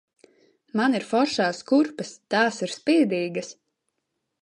Man ir foršās kurpes, tās ir spīdīgas!